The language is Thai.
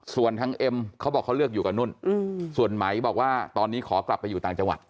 ส่วนทางเอ็มเขาบอกเขาเลือกอยู่กับนุ่นส่วนไหมบอกว่าตอนนี้ขอกลับไปอยู่ต่างจังหวัด